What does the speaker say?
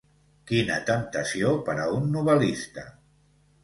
Quina temptació per a un novel·lista!